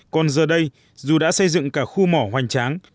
còn giờ đây dù đã xây dựng cả khu mỏ hoành tráng